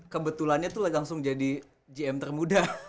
kebetulannya tuh langsung jadi gm termuda